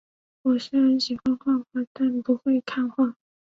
我虽然喜欢画画，但却不会看画